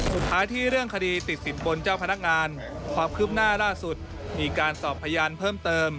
สุดท้ายที่เรื่องคดีติดสินบนเจ้าพนักงานความคืบหน้าล่าสุดมีการสอบพยานเพิ่มเติม